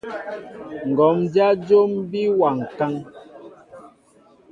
Ŋgǒm dyá jǒm bí wa ŋkán.